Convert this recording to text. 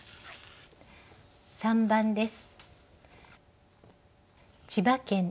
３番です。